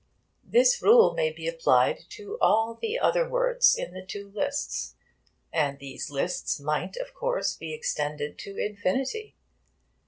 This rule may be applied to all the other words in the two lists. And these lists might, of course, be extended to infinity.